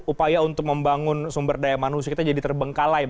upaya untuk membangun sumber daya manusia kita jadi terbengkalai